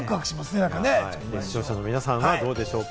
視聴者の皆さんはどうでしょうか？